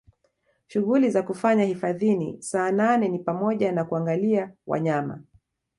Shughuli za kufanya hifadhini Saanane ni pamoja na kuangalia wanyama